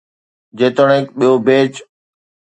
جيتوڻيڪ ٻيو بيچ.